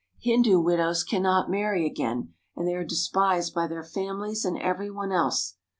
Hindu widows cannot marry again, and they are despised by their families and every one else.